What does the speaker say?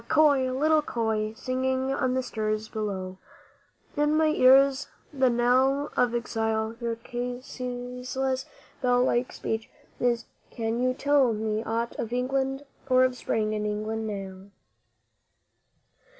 köil, little köil, singing on the siris bough, In my ears the knell of exile your ceaseless bell like speech is Can you tell me aught of England or of Spring in England now?